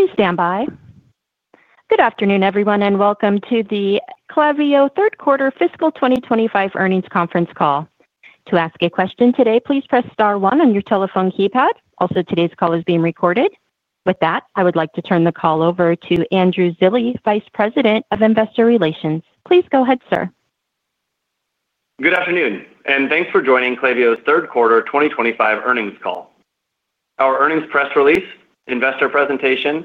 Please stand by. Good afternoon, everyone, and welcome to the Klaviyo third-quarter fiscal 2025 earnings conference call. To ask a question today, please press star one on your telephone keypad. Also, today's call is being recorded. With that, I would like to turn the call over to Andrew Zilli, Vice President of Investor Relations. Please go ahead, sir. Good afternoon, and thanks for joining Klaviyo's third-quarter 2025 earnings call. Our earnings press release, investor presentation,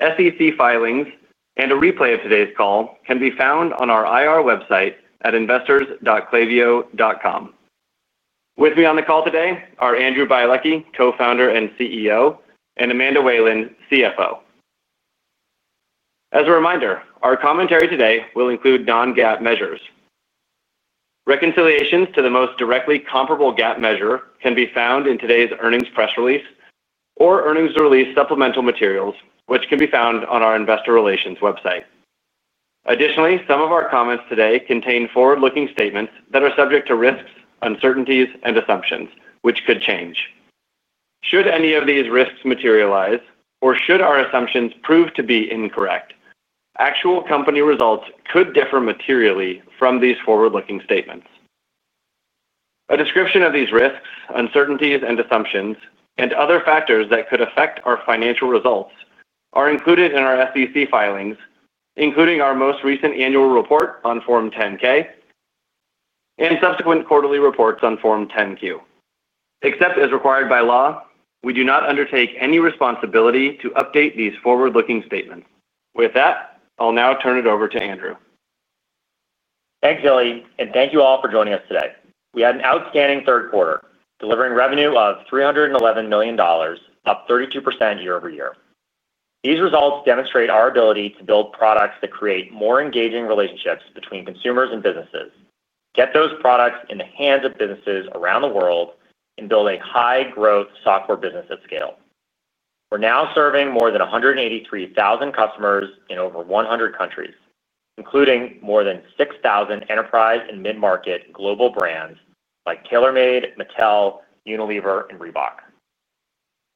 SEC filings, and a replay of today's call can be found on our IR website at investors.klaviyo.com. With me on the call today are Andrew Bialecki, Co-founder and CEO, and Amanda Whalen, CFO. As a reminder, our commentary today will include non-GAAP measures. Reconciliations to the most directly comparable GAAP measure can be found in today's earnings press release or earnings release supplemental materials, which can be found on our investor relations website. Additionally, some of our comments today contain forward-looking statements that are subject to risks, uncertainties, and assumptions, which could change. Should any of these risks materialize, or should our assumptions prove to be incorrect, actual company results could differ materially from these forward-looking statements. A description of these risks, uncertainties, and assumptions, and other factors that could affect our financial results are included in our SEC filings, including our most recent annual report on Form 10-K and subsequent quarterly reports on Form 10-Q. Except as required by law, we do not undertake any responsibility to update these forward-looking statements. With that, I'll now turn it over to Andrew. Thanks, Zilli, and thank you all for joining us today. We had an outstanding third quarter, delivering revenue of $311 million, up 32% year-over-year. These results demonstrate our ability to build products that create more engaging relationships between consumers and businesses, get those products in the hands of businesses around the world, and build a high-growth software business at scale. We're now serving more than 183,000 customers in over 100 countries, including more than 6,000 enterprise and mid-market global brands like TaylorMade, Mattel, Unilever, and Reebok.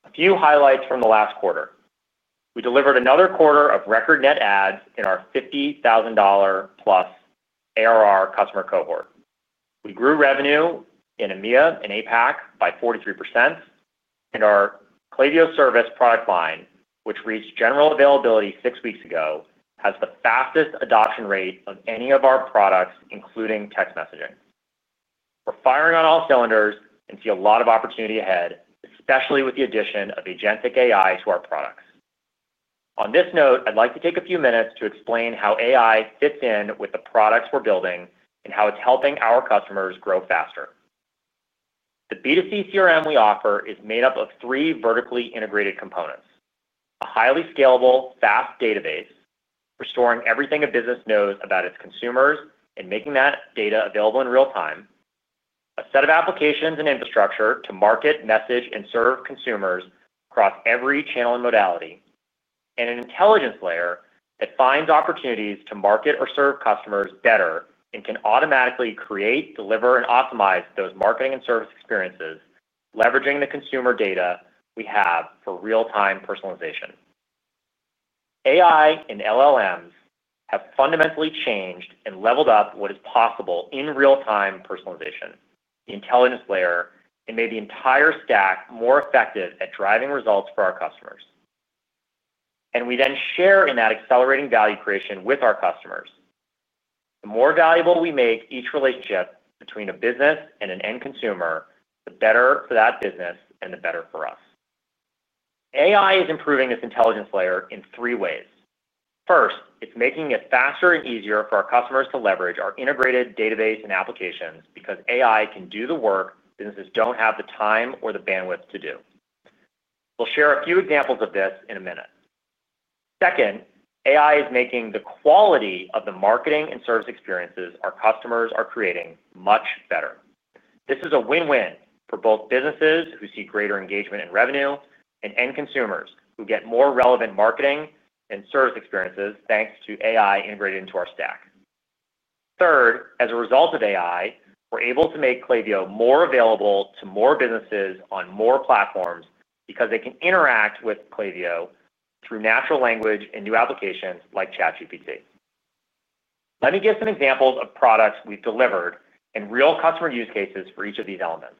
A few highlights from the last quarter: we delivered another quarter of record net adds in our $50,000-plus ARR customer cohort. We grew revenue in EMEA and APAC by 43%, and our Klaviyo Service product line, which reached general availability six weeks ago, has the fastest adoption rate of any of our products, including text messaging. We're firing on all cylinders and see a lot of opportunity ahead, especially with the addition of agentic AI to our products. On this note, I'd like to take a few minutes to explain how AI fits in with the products we're building and how it's helping our customers grow faster. The B2C CRM we offer is made up of three vertically integrated components: a highly scalable, fast database for storing everything a business knows about its consumers and making that data available in real time, a set of applications and infrastructure to market, message, and serve consumers across every channel and modality, and an intelligence layer that finds opportunities to market or serve customers better and can automatically create, deliver, and optimize those marketing and service experiences, leveraging the consumer data we have for real-time personalization. AI and LLMs have fundamentally changed and leveled up what is possible in real-time personalization, the intelligence layer, and made the entire stack more effective at driving results for our customers. We then share in that accelerating value creation with our customers. The more valuable we make each relationship between a business and an end consumer, the better for that business and the better for us. AI is improving this intelligence layer in three ways. First, it's making it faster and easier for our customers to leverage our integrated database and applications because AI can do the work businesses don't have the time or the bandwidth to do. We'll share a few examples of this in a minute. Second, AI is making the quality of the marketing and service experiences our customers are creating much better. This is a win-win for both businesses who see greater engagement and revenue and end consumers who get more relevant marketing and service experiences thanks to AI integrated into our stack. Third, as a result of AI, we're able to make Klaviyo more available to more businesses on more platforms because they can interact with Klaviyo through natural language and new applications like ChatGPT. Let me give some examples of products we've delivered and real customer use cases for each of these elements.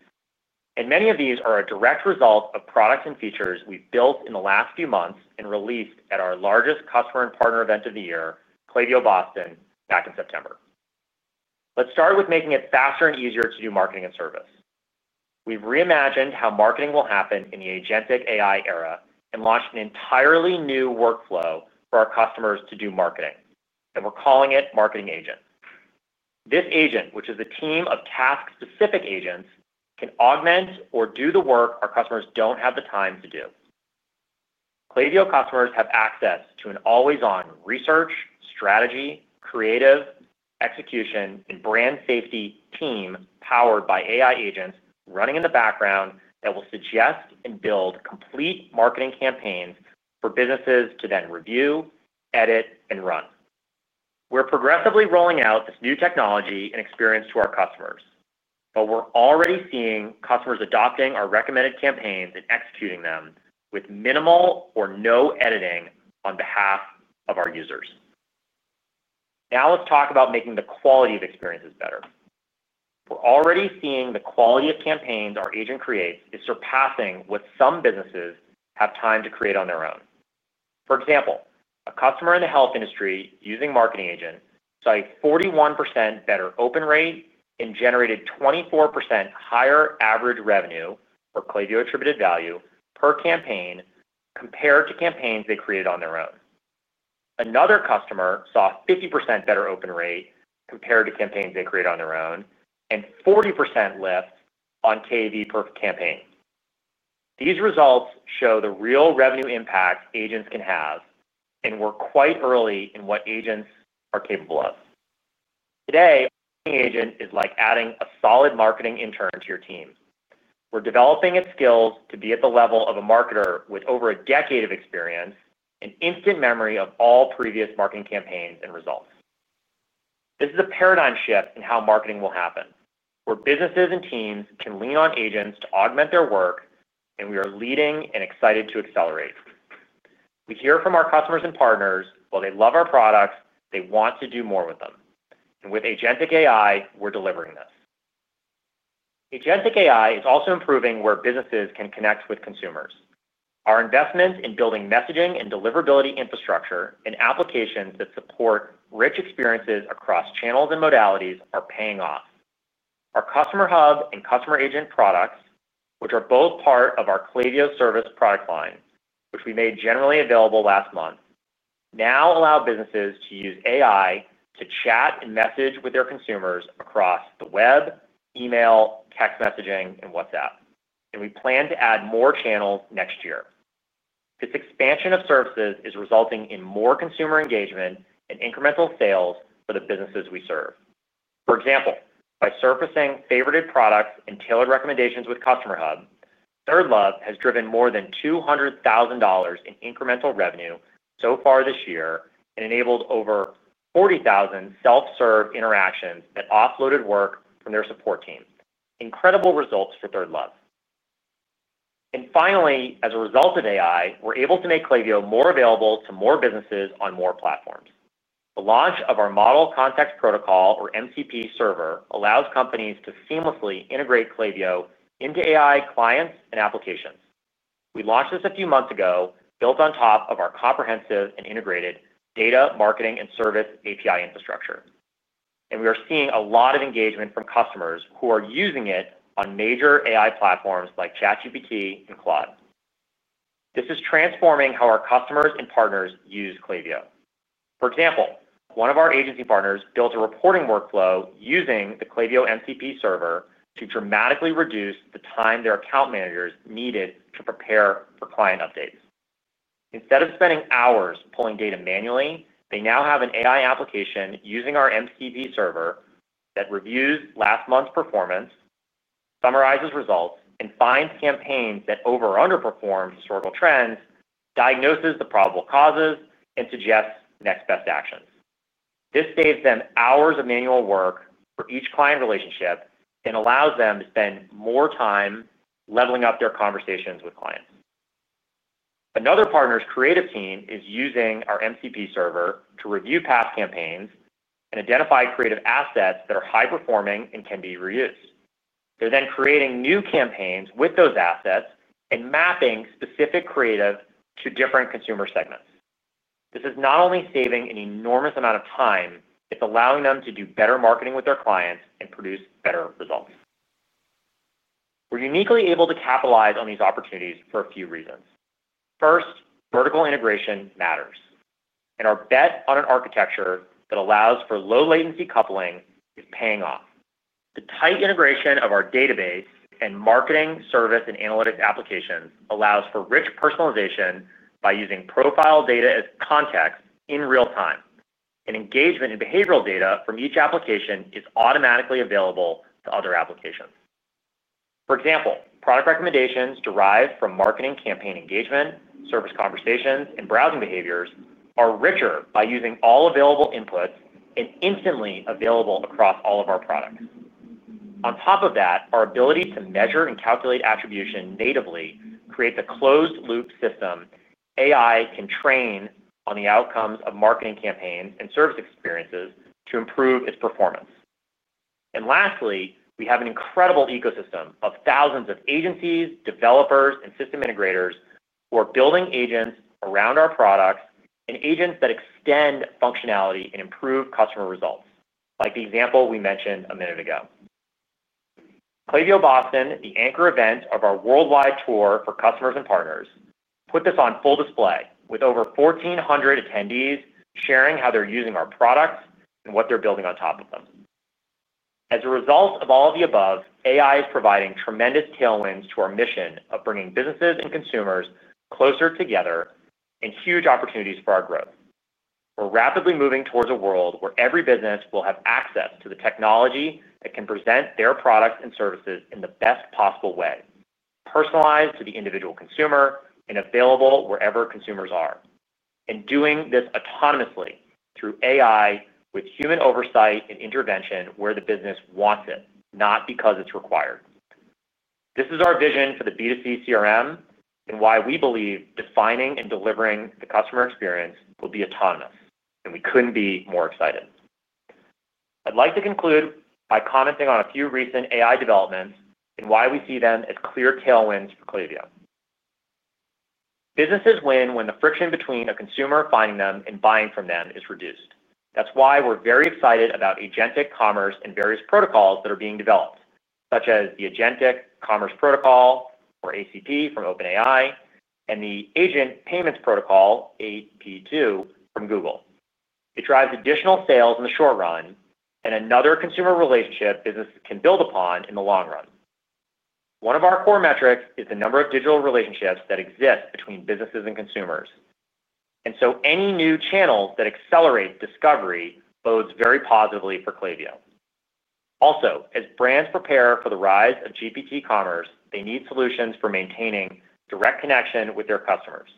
Many of these are a direct result of products and features we've built in the last few months and released at our largest customer and partner event of the year, Klaviyo Boston, back in September. Let's start with making it faster and easier to do marketing and service. We've reimagined how marketing will happen in the agentic AI era and launched an entirely new workflow for our customers to do marketing, and we're calling it Marketing Agents. This agent, which is a team of task-specific agents, can augment or do the work our customers don't have the time to do. Klaviyo customers have access to an always-on research, strategy, creative, execution, and brand safety team powered by AI agents running in the background that will suggest and build complete marketing campaigns for businesses to then review, edit, and run. We're progressively rolling out this new technology and experience to our customers, but we're already seeing customers adopting our recommended campaigns and executing them with minimal or no editing on behalf of our users. Now let's talk about making the quality of experiences better. We're already seeing the quality of campaigns our agent creates is surpassing what some businesses have time to create on their own. For example, a customer in the health industry using Marketing Agent saw a 41% better open rate and generated 24% higher average revenue or Klaviyo attributed value per campaign compared to campaigns they created on their own. Another customer saw a 50% better open rate compared to campaigns they created on their own and a 40% lift on KV per campaign. These results show the real revenue impact agents can have, and we're quite early in what agents are capable of. Today, a Marketing Agent is like adding a solid marketing intern to your team. We're developing its skills to be at the level of a marketer with over a decade of experience and instant memory of all previous marketing campaigns and results. This is a paradigm shift in how marketing will happen, where businesses and teams can lean on agents to augment their work, and we are leading and excited to accelerate. We hear from our customers and partners, while they love our products, they want to do more with them. With agentic AI, we're delivering this. Agentic AI is also improving where businesses can connect with consumers. Our investments in building messaging and deliverability infrastructure and applications that support rich experiences across channels and modalities are paying off. Our Customer Hub and Customer Agent products, which are both part of our Klaviyo Service product line, which we made generally available last month, now allow businesses to use AI to chat and message with their consumers across the web, email, text messaging, and WhatsApp. We plan to add more channels next year. This expansion of services is resulting in more consumer engagement and incremental sales for the businesses we serve. For example, by surfacing favorited products and tailored recommendations with Customer Hub, ThirdLove has driven more than $200,000 in incremental revenue so far this year and enabled over 40,000 self-serve interactions that offloaded work from their support team. Incredible results for ThirdLove. Finally, as a result of AI, we're able to make Klaviyo more available to more businesses on more platforms. The launch of our Model Context Protocol, or MCP server, allows companies to seamlessly integrate Klaviyo into AI clients and applications. We launched this a few months ago, built on top of our comprehensive and integrated data marketing and service API infrastructure. We are seeing a lot of engagement from customers who are using it on major AI platforms like ChatGPT and Claude. This is transforming how our customers and partners use Klaviyo. For example, one of our agency partners built a reporting workflow using the Klaviyo MCP server to dramatically reduce the time their account managers needed to prepare for client updates. Instead of spending hours pulling data manually, they now have an AI application using our MCP server that reviews last month's performance, summarizes results, and finds campaigns that over- or underperformed historical trends, diagnoses the probable causes, and suggests next best actions. This saves them hours of manual work for each client relationship and allows them to spend more time leveling up their conversations with clients. Another partner's creative team is using our MCP server to review past campaigns and identify creative assets that are high-performing and can be reused. They're then creating new campaigns with those assets and mapping specific creative to different consumer segments. This is not only saving an enormous amount of time, it's allowing them to do better marketing with their clients and produce better results. We're uniquely able to capitalize on these opportunities for a few reasons. First, vertical integration matters. Our bet on an architecture that allows for low-latency coupling is paying off. The tight integration of our database and marketing, service, and analytics applications allows for rich personalization by using profile data as context in real time. Engagement and behavioral data from each application is automatically available to other applications. For example, product recommendations derived from marketing campaign engagement, service conversations, and browsing behaviors are richer by using all available inputs and instantly available across all of our products. On top of that, our ability to measure and calculate attribution natively creates a closed-loop system. AI can train on the outcomes of marketing campaigns and service experiences to improve its performance. Lastly, we have an incredible ecosystem of thousands of agencies, developers, and system integrators who are building agents around our products and agents that extend functionality and improve customer results, like the example we mentioned a minute ago. Klaviyo Boston, the anchor event of our worldwide tour for customers and partners, put this on full display with over 1,400 attendees sharing how they're using our products and what they're building on top of them. As a result of all of the above, AI is providing tremendous tailwinds to our mission of bringing businesses and consumers closer together and huge opportunities for our growth. We're rapidly moving towards a world where every business will have access to the technology that can present their products and services in the best possible way, personalized to the individual consumer and available wherever consumers are, and doing this autonomously through AI with human oversight and intervention where the business wants it, not because it's required. This is our vision for the B2C CRM and why we believe defining and delivering the customer experience will be autonomous, and we couldn't be more excited. I'd like to conclude by commenting on a few recent AI developments and why we see them as clear tailwinds for Klaviyo. Businesses win when the friction between a consumer finding them and buying from them is reduced. That's why we're very excited about agentic commerce and various protocols that are being developed, such as the Agentic Commerce Protocol, or ACP from OpenAI, and the Agent Payments Protocol, AP2, from Google. It drives additional sales in the short run and another consumer relationship businesses can build upon in the long run. One of our core metrics is the number of digital relationships that exist between businesses and consumers. Any new channels that accelerate discovery bodes very positively for Klaviyo. Also, as brands prepare for the rise of GPT commerce, they need solutions for maintaining direct connection with their customers.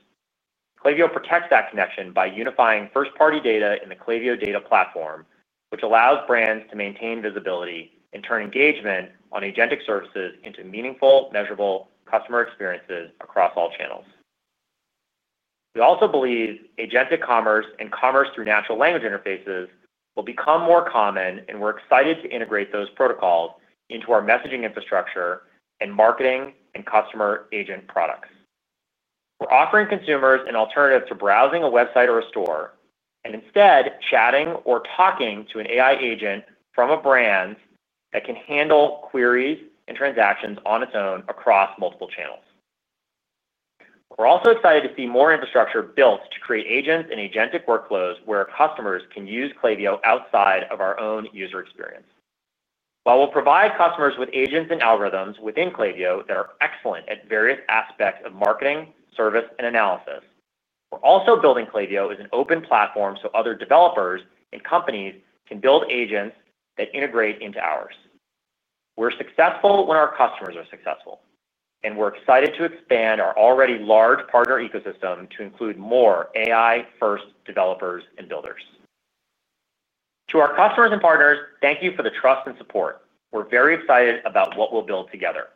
Klaviyo protects that connection by unifying first-party data in the Klaviyo Data Platform, which allows brands to maintain visibility and turn engagement on agentic services into meaningful, measurable customer experiences across all channels. We also believe agentic commerce and commerce through natural language interfaces will become more common, and we're excited to integrate those protocols into our messaging infrastructure and marketing and customer agent products. We're offering consumers an alternative to browsing a website or a store and instead chatting or talking to an AI agent from a brand that can handle queries and transactions on its own across multiple channels. We're also excited to see more infrastructure built to create agents and agentic workflows where customers can use Klaviyo outside of our own user experience. While we'll provide customers with agents and algorithms within Klaviyo that are excellent at various aspects of marketing, service, and analysis, we're also building Klaviyo as an open platform so other developers and companies can build agents that integrate into ours. We're successful when our customers are successful, and we're excited to expand our already large partner ecosystem to include more AI-first developers and builders. To our customers and partners, thank you for the trust and support. We're very excited about what we'll build together.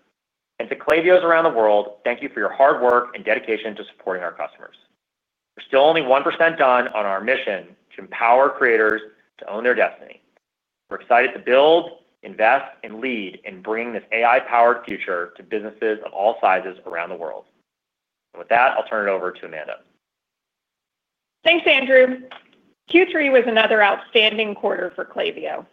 To Klaviyos around the world, thank you for your hard work and dedication to supporting our customers. We're still only 1% done on our mission to empower creators to own their destiny. We're excited to build, invest, and lead in bringing this AI-powered future to businesses of all sizes around the world. With that, I'll turn it over to Amanda. Thanks, Andrew. Q3 was another outstanding quarter for Klaviyo.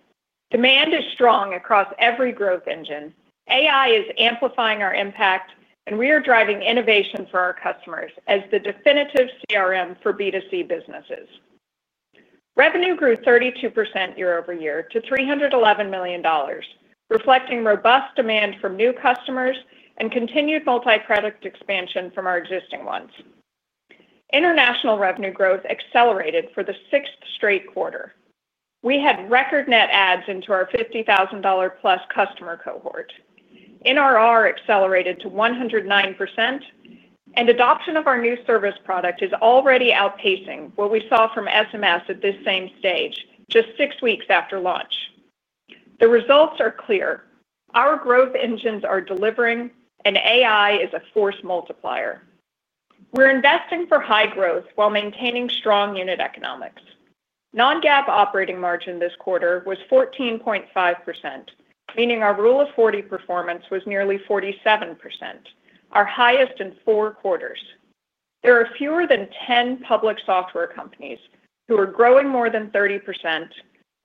Demand is strong across every growth engine. AI is amplifying our impact, and we are driving innovation for our customers as the definitive CRM for B2C businesses. Revenue grew 32% year-over-year to $311 million, reflecting robust demand from new customers and continued multi-product expansion from our existing ones. International revenue growth accelerated for the sixth straight quarter. We had record net adds into our $50,000-plus customer cohort. NRR accelerated to 109%. Adoption of our new service product is already outpacing what we saw from SMS at this same stage, just six weeks after launch. The results are clear. Our growth engines are delivering, and AI is a force multiplier. We're investing for high growth while maintaining strong unit economics. Non-GAAP operating margin this quarter was 14.5%, meaning our Rule of 40 performance was nearly 47%, our highest in four quarters. There are fewer than 10 public software companies who are growing more than 30%,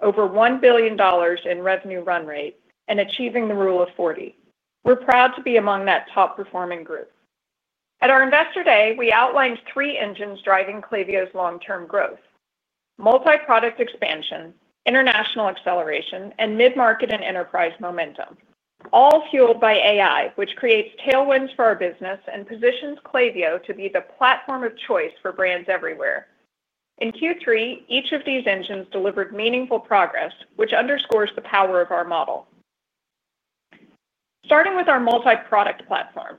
over $1 billion in revenue run rate, and achieving the Rule of 40. We're proud to be among that top-performing group. At our Investor Day, we outlined three engines driving Klaviyo's long-term growth: multi-product expansion, international acceleration, and mid-market and enterprise momentum, all fueled by AI, which creates tailwinds for our business and positions Klaviyo to be the platform of choice for brands everywhere. In Q3, each of these engines delivered meaningful progress, which underscores the power of our model. Starting with our multi-product platform,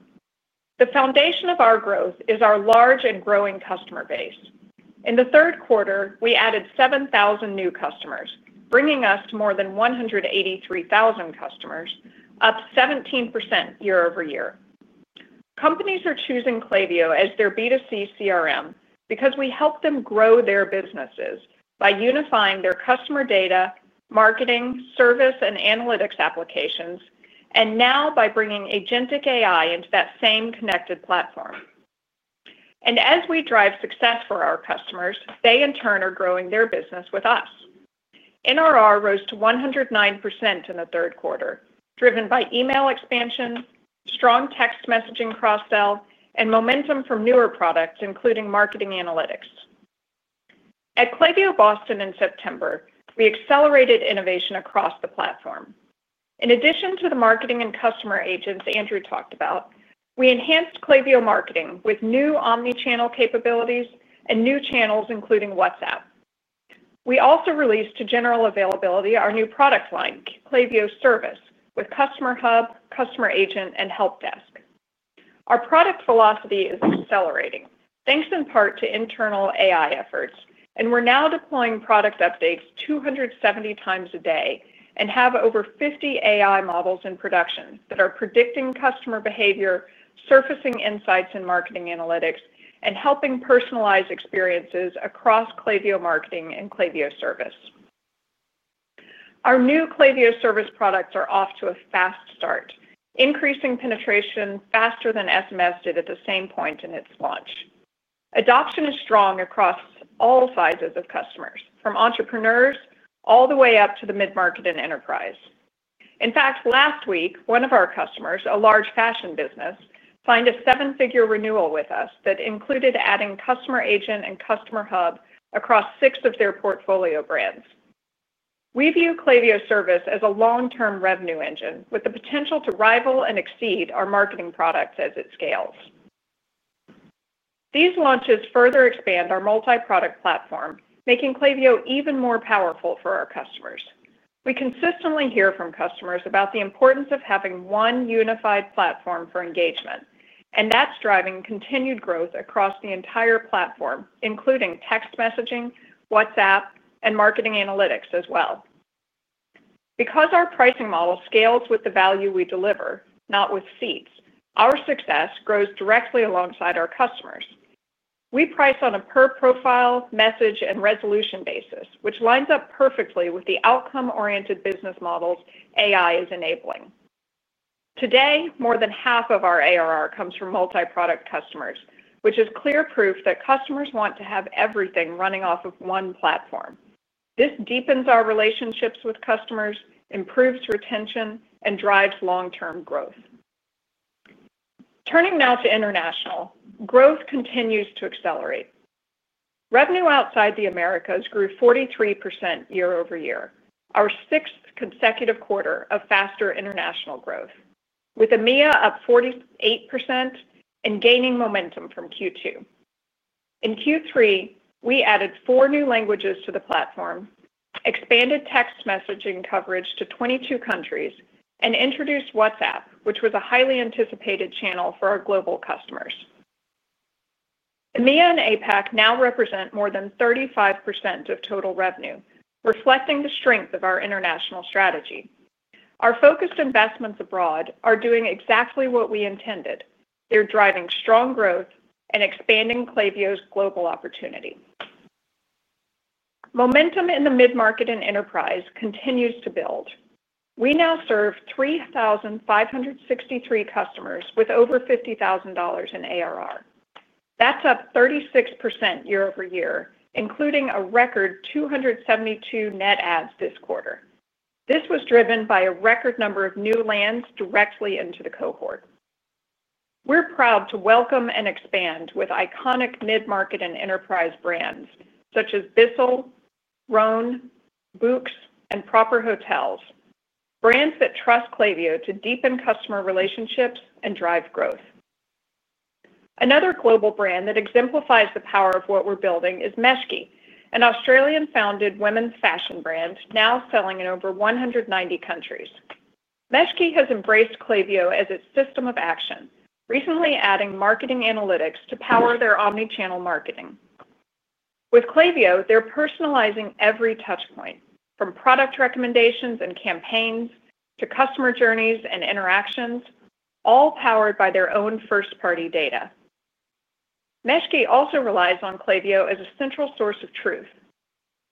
the foundation of our growth is our large and growing customer base. In the third quarter, we added 7,000 new customers, bringing us to more than 183,000 customers, up 17% year-over-year. Companies are choosing Klaviyo as their B2C CRM because we help them grow their businesses by unifying their customer data, marketing, service, and analytics applications, and now by bringing agentic AI into that same connected platform. As we drive success for our customers, they, in turn, are growing their business with us. NRR rose to 109% in the third quarter, driven by email expansion, strong text messaging cross-sell, and momentum from newer products, including marketing analytics. At Klaviyo Boston in September, we accelerated innovation across the platform. In addition to the marketing and customer agents Andrew talked about, we enhanced Klaviyo marketing with new omnichannel capabilities and new channels, including WhatsApp. We also released to general availability our new product line, Klaviyo Service, with Customer Hub, Customer Agent, and Help Desk. Our product philosophy is accelerating, thanks in part to internal AI efforts. We are now deploying product updates 270x a day and have over 50 AI models in production that are predicting customer behavior, surfacing insights in marketing analytics, and helping personalize experiences across Klaviyo Marketing and Klaviyo Service. Our new Klaviyo Service products are off to a fast start, increasing penetration faster than SMS did at the same point in its launch. Adoption is strong across all sizes of customers, from entrepreneurs all the way up to the mid-market and enterprise. In fact, last week, one of our customers, a large fashion business, signed a seven-figure renewal with us that included adding Customer Agent and Customer Hub across six of their portfolio brands. We view Klaviyo Service as a long-term revenue engine with the potential to rival and exceed our marketing products as it scales. These launches further expand our multi-product platform, making Klaviyo even more powerful for our customers. We consistently hear from customers about the importance of having one unified platform for engagement, and that's driving continued growth across the entire platform, including text messaging, WhatsApp, and marketing analytics as well. Because our pricing model scales with the value we deliver, not with seats, our success grows directly alongside our customers. We price on a per-profile, message, and resolution basis, which lines up perfectly with the outcome-oriented business models AI is enabling. Today, more than half of our ARR comes from multi-product customers, which is clear proof that customers want to have everything running off of one platform. This deepens our relationships with customers, improves retention, and drives long-term growth. Turning now to international, growth continues to accelerate. Revenue outside the Americas grew 43% year-over-year, our sixth consecutive quarter of faster international growth, with EMEA up 48% and gaining momentum from Q2. In Q3, we added four new languages to the platform, expanded text messaging coverage to 22 countries, and introduced WhatsApp, which was a highly anticipated channel for our global customers. EMEA and APAC now represent more than 35% of total revenue, reflecting the strength of our international strategy. Our focused investments abroad are doing exactly what we intended. They're driving strong growth and expanding Klaviyo's global opportunity. Momentum in the mid-market and enterprise continues to build. We now serve 3,563 customers with over $50,000 in ARR. That's up 36% year-over-year, including a record 272 net adds this quarter. This was driven by a record number of new lands directly into the cohort. We're proud to welcome and expand with iconic mid-market and enterprise brands such as Bissell, Rhone, Boux Avenue, and Proper Hotels, brands that trust Klaviyo to deepen customer relationships and drive growth. Another global brand that exemplifies the power of what we're building is Meshki, an Australian-founded women's fashion brand now selling in over 190 countries. Meshki has embraced Klaviyo as its system of action, recently adding marketing analytics to power their omnichannel marketing. With Klaviyo, they're personalizing every touchpoint, from product recommendations and campaigns to customer journeys and interactions, all powered by their own first-party data. Meshki also relies on Klaviyo as a central source of truth.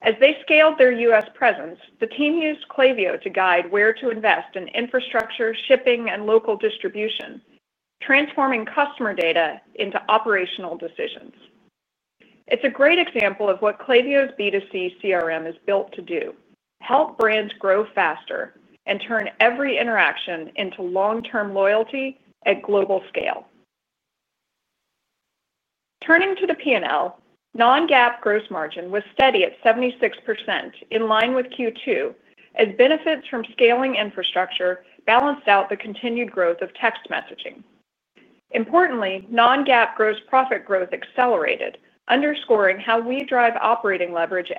As they scaled their US presence, the team used Klaviyo to guide where to invest in infrastructure, shipping, and local distribution, transforming customer data into operational decisions. It's a great example of what Klaviyo's B2C CRM is built to do: help brands grow faster and turn every interaction into long-term loyalty at global scale. Turning to the P&L, non-GAAP gross margin was steady at 76%, in line with Q2, as benefits from scaling infrastructure balanced out the continued growth of text messaging. Importantly, non-GAAP gross profit growth accelerated, underscoring how we drive operating leverage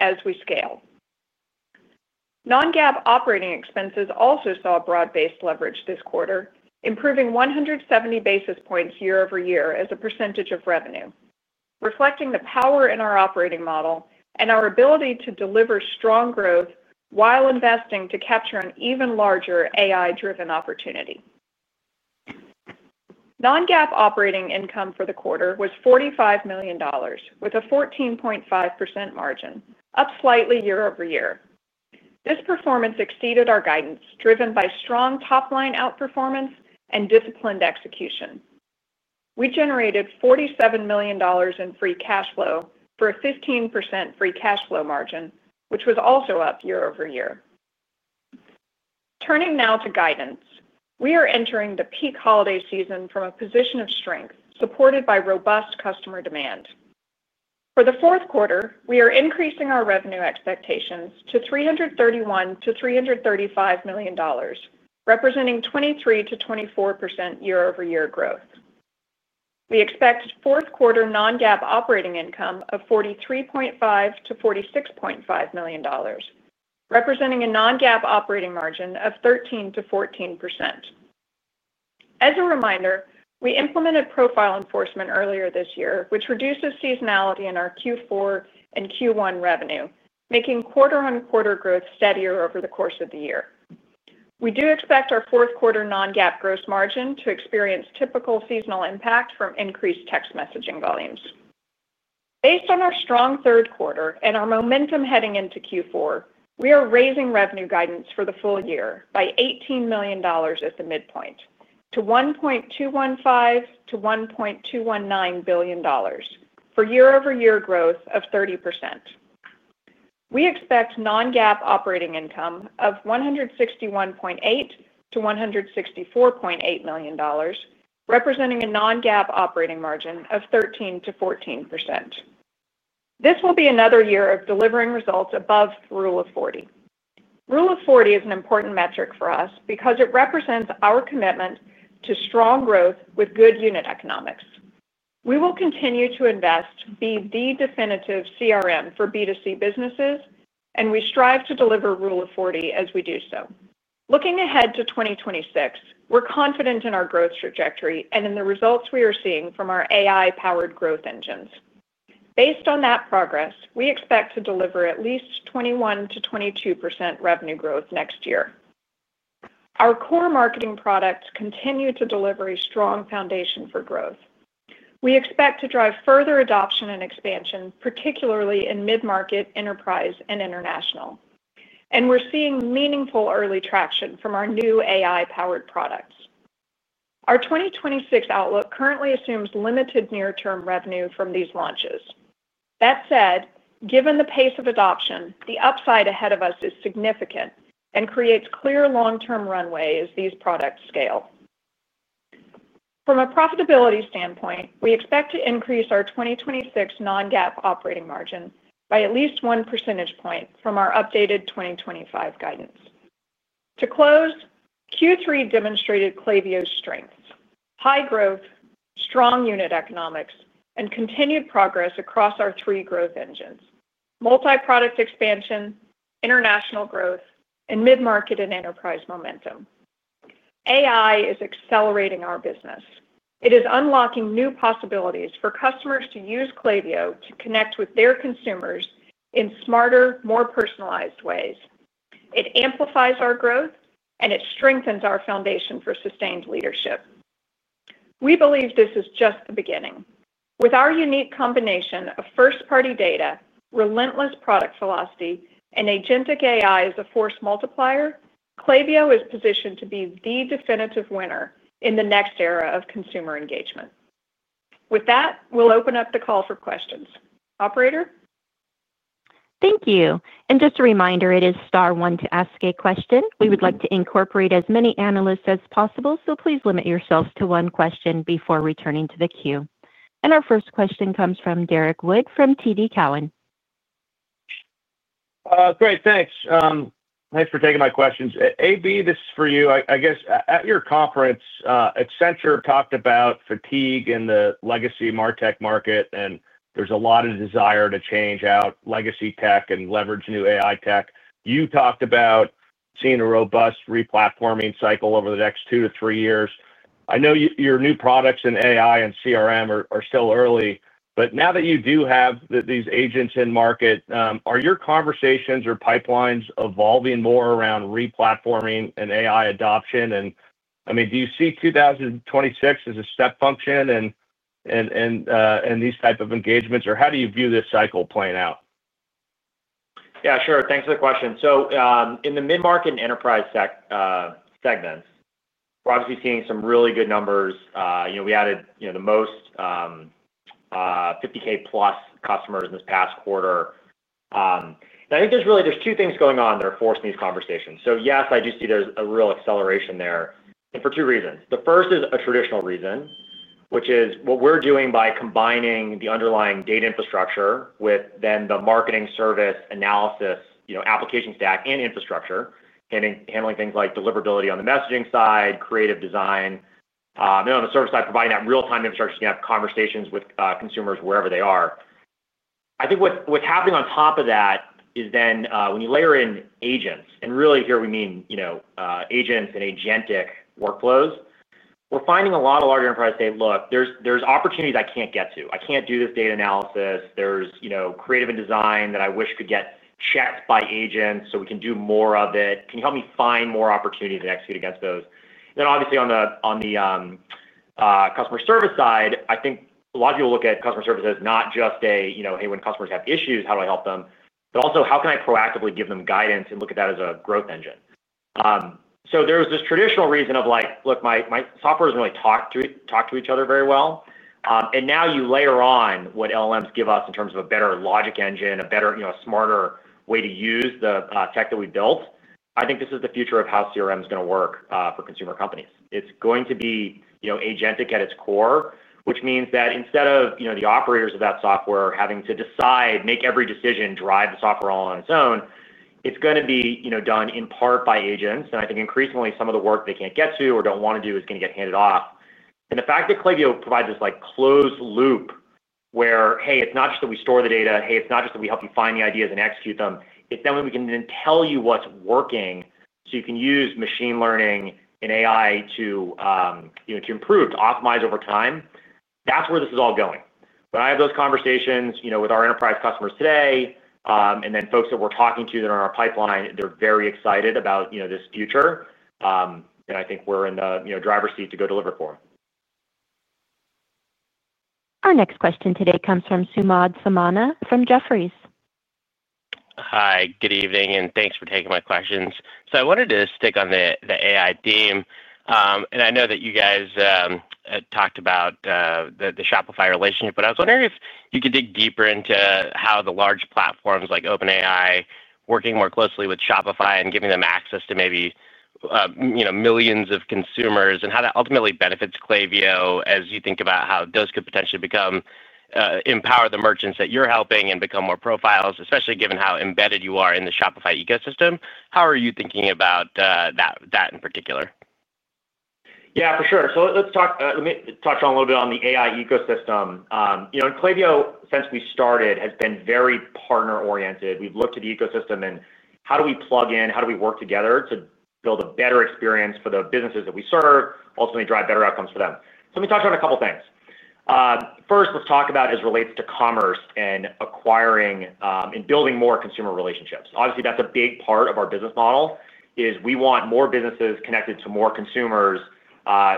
as we scale. Non-GAAP operating expenses also saw broad-based leverage this quarter, improving 170 basis points year-over-year as a percentage of revenue, reflecting the power in our operating model and our ability to deliver strong growth while investing to capture an even larger AI-driven opportunity. Non-GAAP operating income for the quarter was $45 million, with a 14.5% margin, up slightly year-over-year. This performance exceeded our guidance, driven by strong top-line outperformance and disciplined execution. We generated $47 million in free cash flow for a 15% free cash flow margin, which was also up year-over-year. Turning now to guidance, we are entering the peak holiday season from a position of strength, supported by robust customer demand. For the fourth quarter, we are increasing our revenue expectations to $331 million-$335 million, representing 23%-24% year-over-year growth. We expect fourth-quarter non-GAAP operating income of $43.5 million-$46.5 million. Representing a non-GAAP operating margin of 13%-14%. As a reminder, we implemented profile enforcement earlier this year, which reduces seasonality in our Q4 and Q1 revenue, making quarter-on-quarter growth steadier over the course of the year. We do expect our fourth-quarter non-GAAP gross margin to experience typical seasonal impact from increased text messaging volumes. Based on our strong third quarter and our momentum heading into Q4, we are raising revenue guidance for the full year by $18 million at the midpoint, to $1.215-$1.219 billion, for year-over-year growth of 30%. We expect non-GAAP operating income of $161.8-$164.8 million, representing a non-GAAP operating margin of 13%-14%. This will be another year of delivering results above Rule of 40. Rule of 40 is an important metric for us because it represents our commitment to strong growth with good unit economics. We will continue to invest to be the definitive CRM for B2C businesses, and we strive to deliver Rule of 40 as we do so. Looking ahead to 2026, we're confident in our growth trajectory and in the results we are seeing from our AI-powered growth engines. Based on that progress, we expect to deliver at least 21%-22% revenue growth next year. Our core marketing products continue to deliver a strong foundation for growth. We expect to drive further adoption and expansion, particularly in mid-market, enterprise, and international. We're seeing meaningful early traction from our new AI-powered products. Our 2026 outlook currently assumes limited near-term revenue from these launches. That said, given the pace of adoption, the upside ahead of us is significant and creates clear long-term runway as these products scale. From a profitability standpoint, we expect to increase our 2026 non-GAAP operating margin by at least 1 percentage point from our updated 2025 guidance. To close, Q3 demonstrated Klaviyo's strengths: high growth, strong unit economics, and continued progress across our three growth engines: multi-product expansion, international growth, and mid-market and enterprise momentum. AI is accelerating our business. It is unlocking new possibilities for customers to use Klaviyo to connect with their consumers in smarter, more personalized ways. It amplifies our growth, and it strengthens our foundation for sustained leadership. We believe this is just the beginning. With our unique combination of first-party data, relentless product philosophy, and agentic AI as a force multiplier, Klaviyo is positioned to be the definitive winner in the next era of consumer engagement. With that, we'll open up the call for questions. Operator? Thank you. Just a reminder, it is star one to ask a question. We would like to incorporate as many analysts as possible, so please limit yourselves to one question before returning to the queue. Our first question comes from Derrick Wood from TD Cowen. Great. Thanks. Thanks for taking my questions. AB, this is for you. I guess at your conference, Accenture talked about fatigue in the legacy MarTech market, and there is a lot of desire to change out legacy tech and leverage new AI tech. You talked about seeing a robust replatforming cycle over the next two to three years. I know your new products in AI and CRM are still early, but now that you do have these agents in market, are your conversations or pipelines evolving more around replatforming and AI adoption? I mean, do you see 2026 as a step function in. These types of engagements, or how do you view this cycle playing out? Yeah, sure. Thanks for the question. In the mid-market and enterprise segments, we're obviously seeing some really good numbers. We added the most $50,000-plus customers in this past quarter. I think there's really two things going on that are forcing these conversations. Yes, I do see there's a real acceleration there, and for two reasons. The first is a traditional reason, which is what we're doing by combining the underlying data infrastructure with then the marketing service analysis, application stack, and infrastructure, handling things like deliverability on the messaging side, creative design. On the service side, providing that real-time infrastructure so you can have conversations with consumers wherever they are. I think what's happening on top of that is then when you layer in agents, and really here we mean. Agents and agentic workflows, we're finding a lot of large enterprises say, "Look, there's opportunities I can't get to. I can't do this data analysis. There's creative and design that I wish could get checked by agents, so we can do more of it. Can you help me find more opportunities and execute against those?" Obviously on the customer service side, I think a lot of people look at customer service as not just a, "Hey, when customers have issues, how do I help them?" but also, "How can I proactively give them guidance and look at that as a growth engine?" There was this traditional reason of like, "Look, my software doesn't really talk to each other very well." Now you layer on what LLMs give us in terms of a better logic engine, a better, smarter way to use the tech that we built. I think this is the future of how CRM is going to work for consumer companies. It's going to be agentic at its core, which means that instead of the operators of that software having to decide, make every decision, drive the software all on its own, it's going to be done in part by agents. I think increasingly some of the work they can't get to or don't want to do is going to get handed off. The fact that Klaviyo provides this closed loop where, "Hey, it's not just that we store the data. Hey, it's not just that we help you find the ideas and execute them." It's that way we can then tell you what's working so you can use machine learning and AI to improve, to optimize over time. That's where this is all going. I have those conversations with our enterprise customers today, and then folks that we're talking to that are in our pipeline, they're very excited about this future. I think we're in the driver's seat to go deliver for them. Our next question today comes from Samad Samana from Jefferies. Hi. Good evening, and thanks for taking my questions. I wanted to stick on the AI theme. I know that you guys talked about the Shopify relationship, but I was wondering if you could dig deeper into how the large platforms like OpenAI are working more closely with Shopify and giving them access to maybe millions of consumers and how that ultimately benefits Klaviyo as you think about how those could potentially empower the merchants that you're helping and become more profiles, especially given how embedded you are in the Shopify ecosystem. How are you thinking about that in particular? Yeah, for sure. Let's talk a little bit on the AI ecosystem. Klaviyo, since we started, has been very partner-oriented. We've looked at the ecosystem and how do we plug in, how do we work together to build a better experience for the businesses that we serve, ultimately drive better outcomes for them. Let me talk about a couple of things. First, let's talk about as it relates to commerce and acquiring and building more consumer relationships. Obviously, that's a big part of our business model, is we want more businesses connected to more consumers.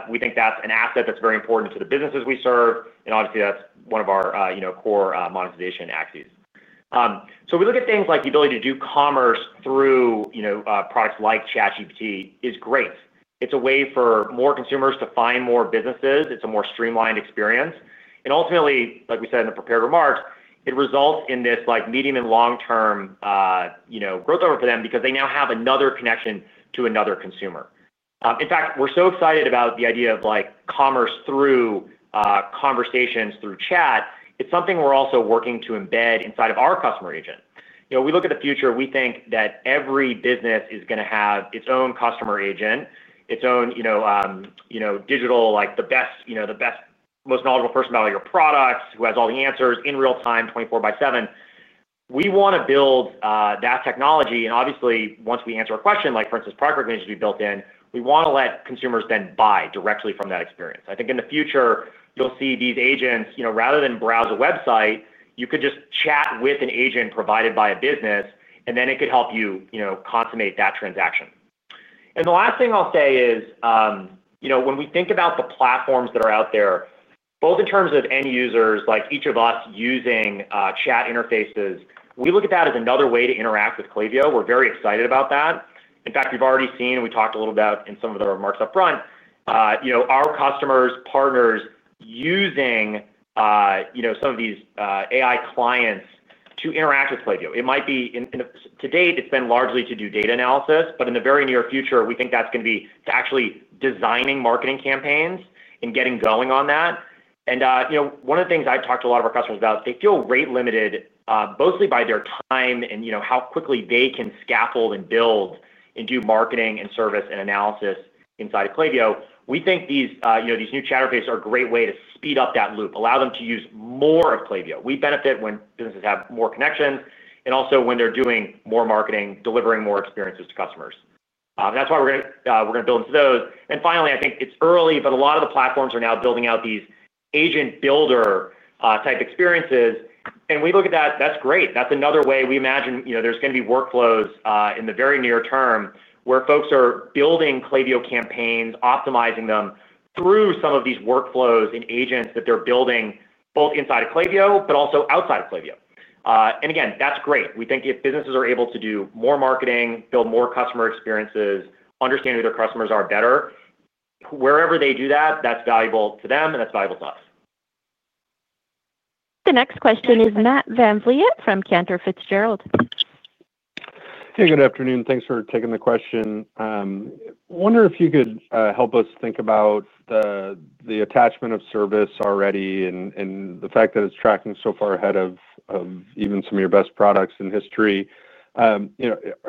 We think that's an asset that's very important to the businesses we serve. Obviously, that's one of our core monetization axes. We look at things like the ability to do commerce through products like ChatGPT is great. It's a way for more consumers to find more businesses. It's a more streamlined experience. Ultimately, like we said in the prepared remarks, it results in this medium and long-term growth for them because they now have another connection to another consumer. In fact, we're so excited about the idea of commerce through conversations through chat. It's something we're also working to embed inside of our Customer Agent. We look at the future. We think that every business is going to have its own Customer Agent, its own digital, the best, most knowledgeable person about your product, who has all the answers in real time, 24 by 7. We want to build that technology. Obviously, once we answer a question, like for instance, product recommendations we built in, we want to let consumers then buy directly from that experience. I think in the future, you'll see these agents, rather than browse a website, you could just chat with an agent provided by a business, and then it could help you consummate that transaction. The last thing I'll say is, when we think about the platforms that are out there, both in terms of end users, like each of us using chat interfaces, we look at that as another way to interact with Klaviyo. We're very excited about that. In fact, we've already seen, and we talked a little bit about in some of the remarks upfront, our customers, partners using some of these AI clients to interact with Klaviyo. It might be, to date, it's been largely to do data analysis, but in the very near future, we think that's going to be to actually designing marketing campaigns and getting going on that. One of the things I've talked to a lot of our customers about, they feel rate-limited, mostly by their time and how quickly they can scaffold and build and do marketing and service and analysis inside of Klaviyo. We think these new chat interfaces are a great way to speed up that loop, allow them to use more of Klaviyo. We benefit when businesses have more connections and also when they're doing more marketing, delivering more experiences to customers. That's why we're going to build into those. Finally, I think it's early, but a lot of the platforms are now building out these agent builder type experiences. We look at that. That's great. That's another way we imagine there's going to be workflows in the very near term where folks are building Klaviyo campaigns, optimizing them through some of these workflows and agents that they're building both inside of Klaviyo, but also outside of Klaviyo. Again, that's great. We think if businesses are able to do more marketing, build more customer experiences, understand who their customers are better. Wherever they do that, that's valuable to them, and that's valuable to us. The next question is Matt VanVliet from Cantor Fitzgerald. Hey, good afternoon. Thanks for taking the question. I wonder if you could help us think about the attachment of service already and the fact that it's tracking so far ahead of even some of your best products in history. Are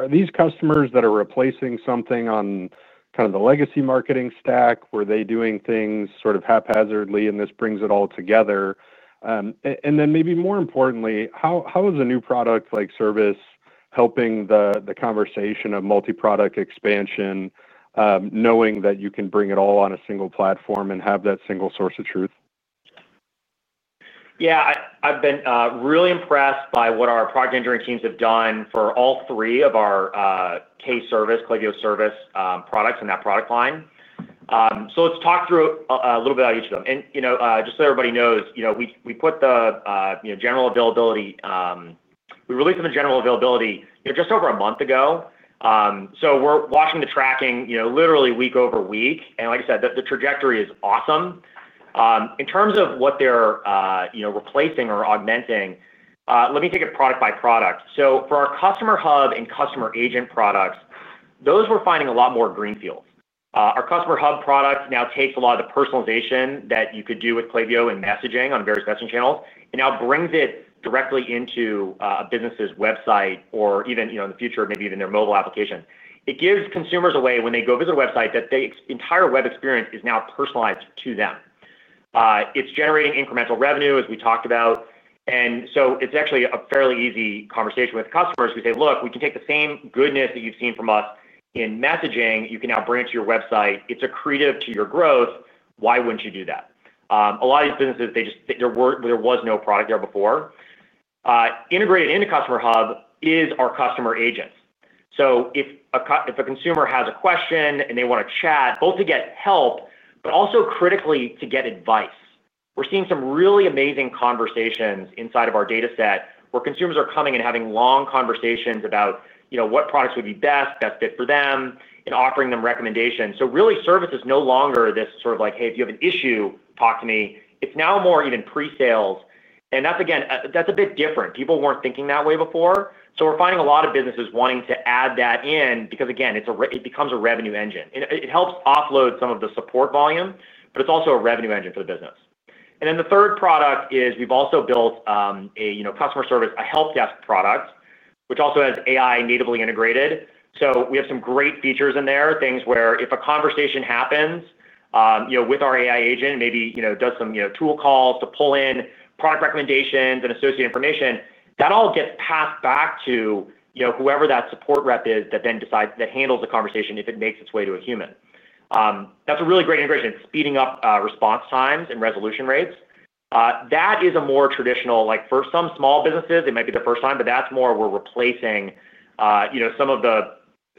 these customers that are replacing something on kind of the legacy marketing stack? Were they doing things sort of haphazardly, and this brings it all together? Maybe more importantly, how is a new product like Service helping the conversation of multi-product expansion, knowing that you can bring it all on a single platform and have that single source of truth? Yeah. I've been really impressed by what our product engineering teams have done for all three of our Klaviyo Service products in that product line. Let's talk through a little bit about each of them. Just so everybody knows, we released them in general availability just over a month ago. We're watching the tracking literally week over week. Like I said, the trajectory is awesome. In terms of what they're replacing or augmenting, let me take it product by product. For our Customer Hub and Customer Agent products, those were finding a lot more greenfields. Our Customer Hub product now takes a lot of the personalization that you could do with Klaviyo and messaging on various messaging channels and now brings it directly into a business's website or even in the future, maybe even their mobile application. It gives consumers a way when they go visit a website that the entire web experience is now personalized to them. It is generating incremental revenue, as we talked about. It is actually a fairly easy conversation with customers. We say, "Look, we can take the same goodness that you have seen from us in messaging. You can now bring it to your website. It is accretive to your growth. Why would you not do that?" A lot of these businesses, there was no product there before. Integrated into Customer Hub is our Customer Agents. If a consumer has a question and they want to chat, both to get help, but also critically to get advice, we're seeing some really amazing conversations inside of our dataset where consumers are coming and having long conversations about what products would be best, best fit for them, and offering them recommendations. Really, service is no longer this sort of like, "Hey, if you have an issue, talk to me." It's now more even pre-sales. That's, again, that's a bit different. People weren't thinking that way before. We're finding a lot of businesses wanting to add that in because, again, it becomes a revenue engine. It helps offload some of the support volume, but it's also a revenue engine for the business. The third product is we've also built a customer service, a help desk product, which also has AI natively integrated. We have some great features in there, things where if a conversation happens with our AI agent, maybe does some tool calls to pull in product recommendations and associated information, that all gets passed back to whoever that support rep is that then decides that handles the conversation if it makes its way to a human. That's a really great integration. It's speeding up response times and resolution rates. That is a more traditional—for some small businesses, it might be the first time—but that's more where we're replacing some of the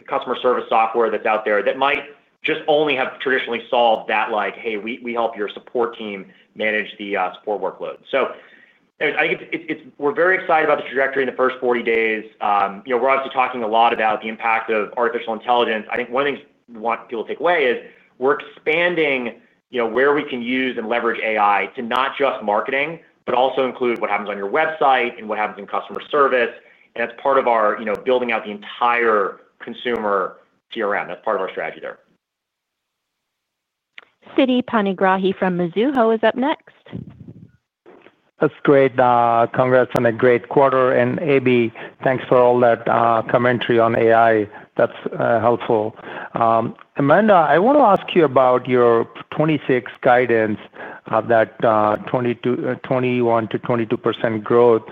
customer service software that's out there that might just only have traditionally solved that like, "Hey, we help your support team manage the support workload." I think we're very excited about the trajectory in the first 40 days. We're obviously talking a lot about the impact of artificial intelligence. I think one of the things we want people to take away is we're expanding where we can use and leverage AI to not just marketing, but also include what happens on your website and what happens in customer service. That's part of our building out the entire consumer CRM. That's part of our strategy there. Siti Panigrahi from Mizuho is up next. That's great. Congrats on a great quarter. And AB, thanks for all that commentary on AI. That's helpful. Amanda, I want to ask you about your 2026 guidance, that. 21%-22% growth.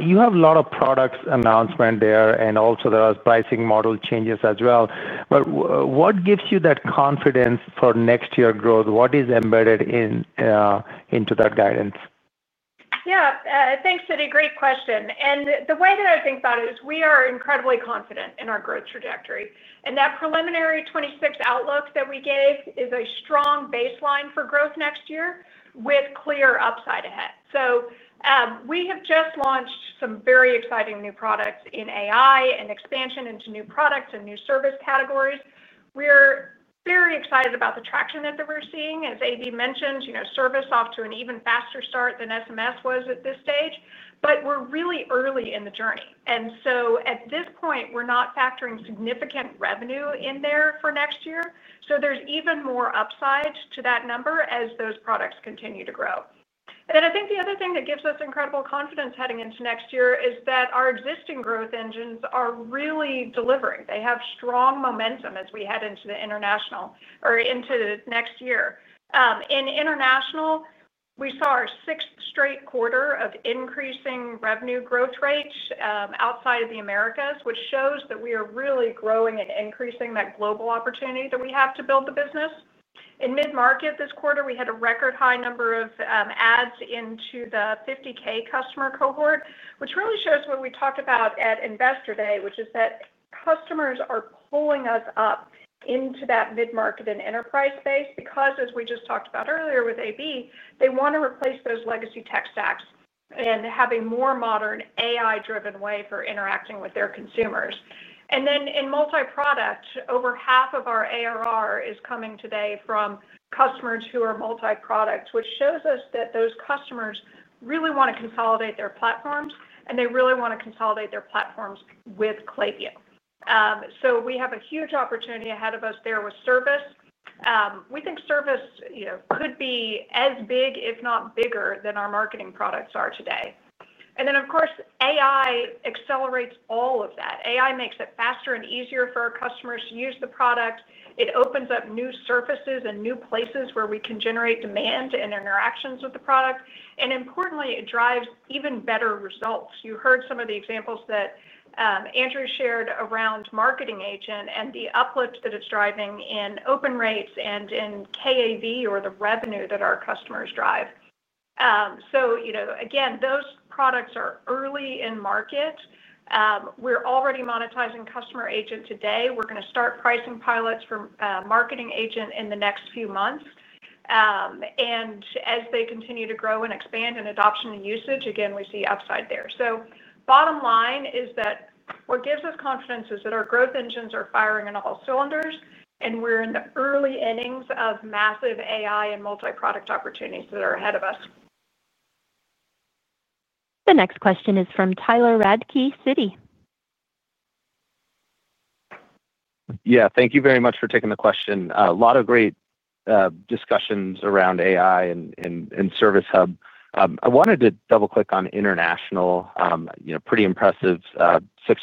You have a lot of product announcements there, and also there are pricing model changes as well. What gives you that confidence for next year's growth? What is embedded into that guidance? Yeah. Thanks, Siti. Great question. The way that I think about it is we are incredibly confident in our growth trajectory. That preliminary 2026 outlook that we gave is a strong baseline for growth next year with clear upside ahead. We have just launched some very exciting new products in AI and expansion into new products and new service categories. We're very excited about the traction that we're seeing. As AB mentioned, service is off to an even faster start than SMS was at this stage. We're really early in the journey. At this point, we're not factoring significant revenue in there for next year. There is even more upside to that number as those products continue to grow. I think the other thing that gives us incredible confidence heading into next year is that our existing growth engines are really delivering. They have strong momentum as we head into the international or into next year. In international, we saw our sixth straight quarter of increasing revenue growth rates outside of the Americas, which shows that we are really growing and increasing that global opportunity that we have to build the business. In mid-market this quarter, we had a record high number of adds into the 50K customer cohort, which really shows what we talked about at Investor Day, which is that customers are pulling us up into that mid-market and enterprise space because, as we just talked about earlier with AB, they want to replace those legacy tech stacks and have a more modern AI-driven way for interacting with their consumers. In multi-product, over half of our ARR is coming today from customers who are multi-product, which shows us that those customers really want to consolidate their platforms, and they really want to consolidate their platforms with Klaviyo. We have a huge opportunity ahead of us there with service. We think service could be as big, if not bigger, than our marketing products are today. Of course, AI accelerates all of that. AI makes it faster and easier for our customers to use the product. It opens up new surfaces and new places where we can generate demand and interactions with the product. Importantly, it drives even better results. You heard some of the examples that Andrew shared around marketing agent and the uplift that it's driving in open rates and in KAV or the revenue that our customers drive. Again, those products are early in market. We're already monetizing Customer Agent today. We're going to start pricing pilots for Marketing Agent in the next few months. As they continue to grow and expand in adoption and usage, we see upside there. Bottom line is that what gives us confidence is that our growth engines are firing on all cylinders, and we're in the early innings of massive AI and multi-product opportunities that are ahead of us. The next question is from Tyler Radtke, Citi. Yeah. Thank you very much for taking the question. A lot of great discussions around AI and Service Hub. I wanted to double-click on international. Pretty impressive six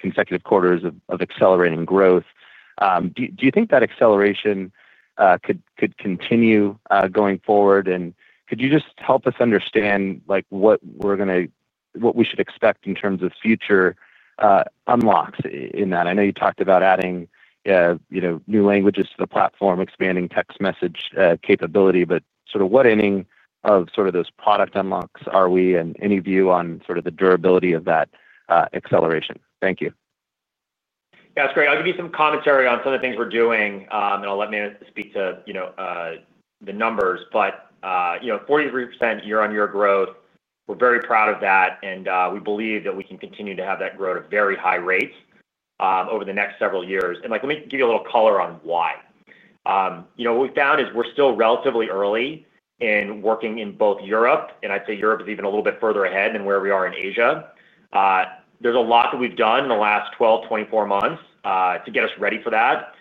consecutive quarters of accelerating growth. Do you think that acceleration could continue going forward? Could you just help us understand what we're going to—what we should expect in terms of future. Unlocks in that? I know you talked about adding new languages to the platform, expanding text message capability, but sort of what inning of sort of those product unlocks are we? And any view on sort of the durability of that acceleration? Thank you. Yeah. That's great. I'll give you some commentary on some of the things we're doing, and I'll let me speak to the numbers. 43% year-on-year growth, we're very proud of that, and we believe that we can continue to have that grow at a very high rate over the next several years. Let me give you a little color on why. What we found is we're still relatively early in working in both Europe, and I'd say Europe is even a little bit further ahead than where we are in Asia. There's a lot that we've done in the last 12, 24 months to get us ready for that.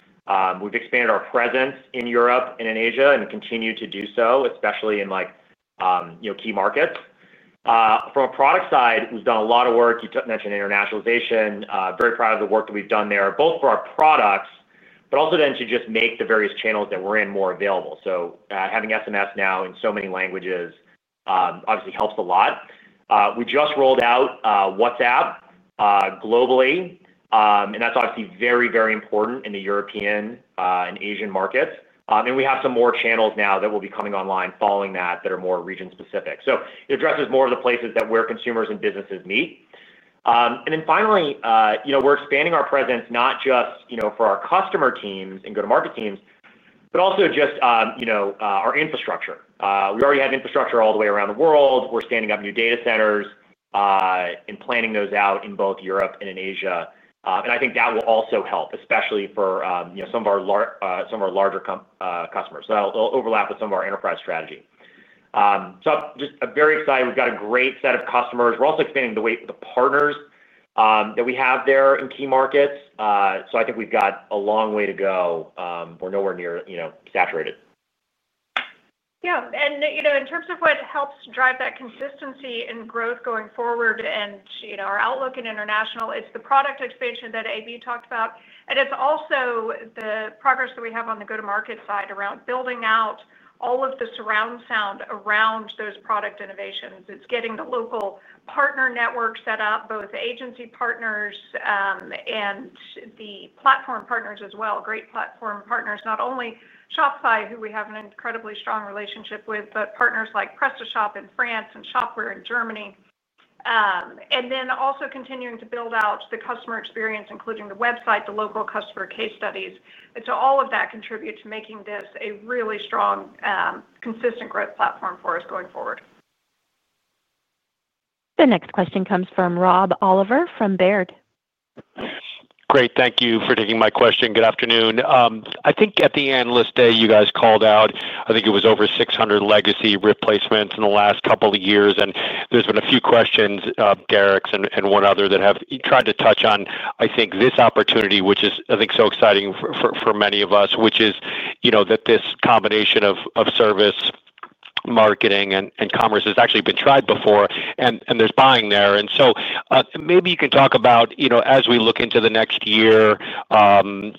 We've expanded our presence in Europe and in Asia and continue to do so, especially in key markets. From a product side, we've done a lot of work. You mentioned internationalization. Very proud of the work that we've done there, both for our products, but also then to just make the various channels that we're in more available. Having SMS now in so many languages obviously helps a lot. We just rolled out WhatsApp globally, and that's obviously very, very important in the European and Asian markets. We have some more channels now that will be coming online following that that are more region-specific. It addresses more of the places where consumers and businesses meet. Finally, we're expanding our presence not just for our customer teams and go-to-market teams, but also our infrastructure. We already have infrastructure all the way around the world. We're standing up new data centers and planning those out in both Europe and in Asia. I think that will also help, especially for some of our larger customers. It will overlap with some of our enterprise strategy. I'm just very excited. We've got a great set of customers. We're also expanding the weight with the partners that we have there in key markets. I think we've got a long way to go. We're nowhere near saturated. Yeah. In terms of what helps drive that consistency and growth going forward and our outlook in international, it's the product expansion that AB talked about. It is also the progress that we have on the go-to-market side around building out all of the surround sound around those product innovations. It is getting the local partner network set up, both agency partners and the platform partners as well, great platform partners, not only Shopify, who we have an incredibly strong relationship with, but partners like PrestaShop in France and Shopware in Germany. It is also continuing to build out the customer experience, including the website, the local customer case studies. All of that contributes to making this a really strong, consistent growth platform for us going forward. The next question comes from Rob Oliver from Baird. Great. Thank you for taking my question. Good afternoon. I think at the Analyst Day, you guys called out, I think it was over 600 legacy replacements in the last couple of years. There have been a few questions, Derek's and one other, that have tried to touch on, I think, this opportunity, which is, I think, so exciting for many of us, which is that this combination of service, marketing, and commerce has actually been tried before, and there's buying there. Maybe you can talk about, as we look into the next year and